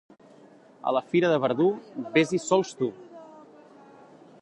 A la fira de Verdú, ves-hi sols tu.